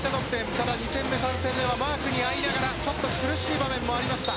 ただ２戦目、３戦目マークにあいながら苦しい場面もありました。